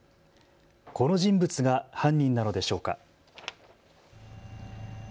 この人物が犯人なのでしょうか。